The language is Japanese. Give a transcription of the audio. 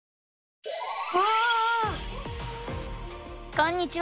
こんにちは！